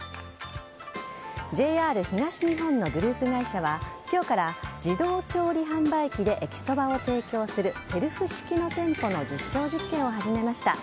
ＪＲ東日本のグループ会社は、きょうから自動調理販売機で駅そばを提供する、セルフ式の店舗の実証実験を始めました。